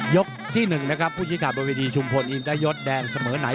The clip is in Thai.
ยกที่หนึ่งนะครับผู้ชิดขาดบนเวทีชุมพลอินตะยศแดงเสมอไหน